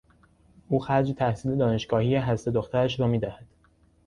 او خرج تحصیل دانشگاهی هر سه دخترش را میدهد.